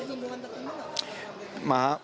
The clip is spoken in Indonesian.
ada hubungan tertentu